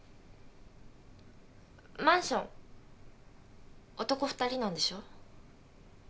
マンション男２人なんでしょ？